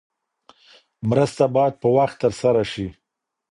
مرسته باید په وخت ترسره شي.